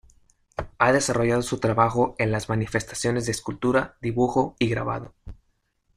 Ha desarrollado su trabajo en las manifestaciones de escultura, dibujo y grabado.